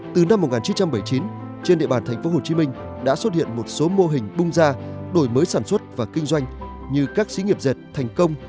từ năm một nghìn chín trăm bảy mươi chín trên địa bàn tp hcm đã xuất hiện một số mô hình bung ra đổi mới sản xuất và kinh doanh như các sĩ nghiệp dệt thành công